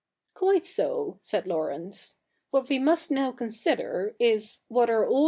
' Quite so,' said Laurence. ' What we must now consider is, what are all tho.